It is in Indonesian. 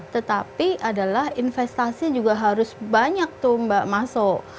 tetapi adalah investasi juga harus banyak tuh mbak masuk